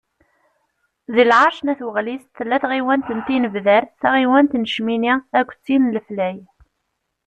Deg lεerc n At Waɣlis, tella tɣiwant n Tinebdar, taɣiwant n Cmini, akked tin n Leflay.